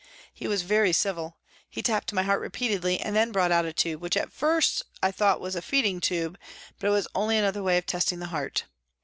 He was very civil. He tapped my heart repeatedly and then brought out a tube, which at first I thought was a feeding tube, but it was only another way of testing the heart.